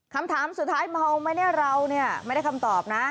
คำถามสุดท้ายเมาไหมเนี่ยเราเนี่ยไม่ได้คำตอบนะ